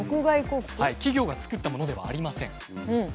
企業が作ったものではありません。